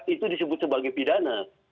itu disebut sebagai pidana